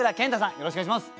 よろしくお願いします。